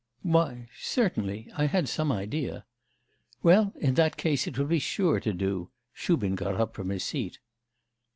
'Why, certainly. I had some idea.' 'Well, in that case, it will be sure to do.' Shubin got up from his seat.